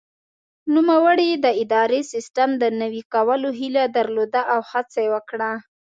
نوموړي د اداري سیسټم د نوي کولو هیله درلوده او هڅه یې وکړه.